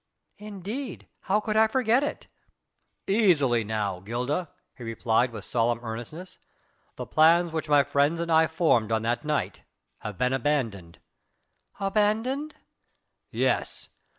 "Indeed, how could I forget it?" "Easily now, Gilda," he replied with solemn earnestness. "The plans which my friends and I formed on that night have been abandoned." "Abandoned?" "Yes!